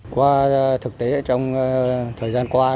qua thực tế trong thời gian qua